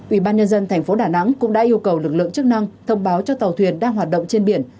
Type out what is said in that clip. ubnd tp đà nẵng cũng đã yêu cầu lực lượng chức năng thông báo cho tàu thuyền đang hoạt động trên biển